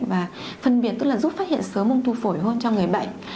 và phân biệt tức là giúp phát hiện sớm ung thư phổi hơn cho người bệnh